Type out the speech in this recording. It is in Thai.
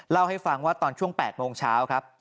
เล่าให้ฟังว่าตอนช่วง๘โมงเช้าครับ